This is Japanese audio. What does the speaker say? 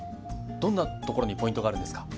どんなところにポイントがあるんですか？